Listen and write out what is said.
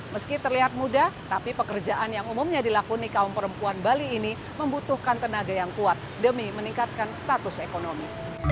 meski terlihat mudah tapi pekerjaan yang umumnya dilakoni kaum perempuan bali ini membutuhkan tenaga yang kuat demi meningkatkan status ekonomi